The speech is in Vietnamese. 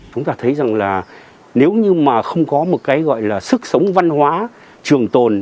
chúng ta thấy rằng là nếu như mà không có một cái gọi là sức sống văn hóa trường tồn